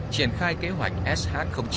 triển khai kế hoạch sh chín